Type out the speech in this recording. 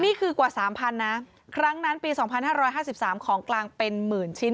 นี่คือกว่า๓๐๐นะครั้งนั้นปี๒๕๕๓ของกลางเป็นหมื่นชิ้น